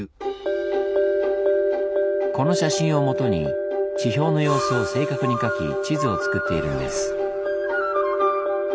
この写真をもとに地表の様子を正確に描き地図を作っているんです。